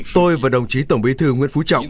tôi và đồng chí tổng bí thư nguyễn phú trọng